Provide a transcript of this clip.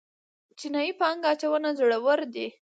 چینايي پانګه اچوونکي زړور دي.